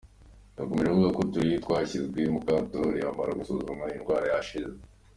Yakomeje avuga ko uturere twashyizwe mu kato nihamara gusuzumwa ko iyi ndwara yashize.